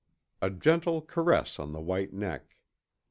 A gentle caress on the white neck.